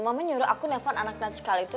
mama nyuruh aku telepon anak natsikal itu